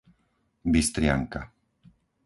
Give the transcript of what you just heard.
Bystrianka